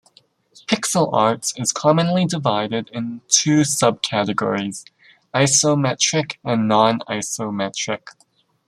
Pixel art is commonly divided in two subcategories: isometric and non-isometric.